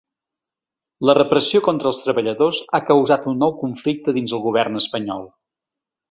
La repressió contra els treballadors ha causat un nou conflicte dins el govern espanyol.